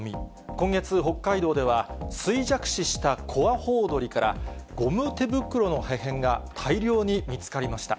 今月、北海道では衰弱死したコアホウドリから、ゴム手袋の破片が大量に見つかりました。